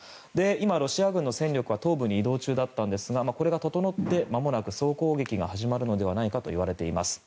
今、ロシア軍の戦力は東部に移動中だったんですがこれが整って、まもなく総攻撃が始まるのではないかといわれています。